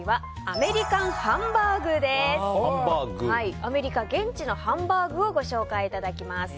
アメリカ現地のハンバーグをご紹介いただきます。